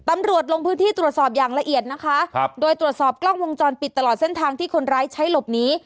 ตำรวจลงพื้นที่ตรวจสอบอย่างละเอียดนะคะครับโดยตรวจสอบกล้องวงจรปิดตลอดเส้นทางที่คนร้ายใช้หลบหนี